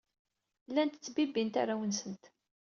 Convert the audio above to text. Llant ttbibbint arraw-nsent.